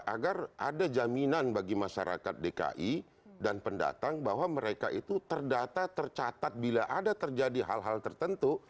agar ada jaminan bagi masyarakat dki dan pendatang bahwa mereka itu terdata tercatat bila ada terjadi hal hal tertentu